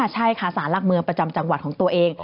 ใช่ค่ะสารหลักเมืองประจำจังหวัดของตัวเอง